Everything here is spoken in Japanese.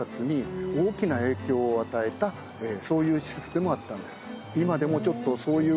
そういう施設でもあったんです。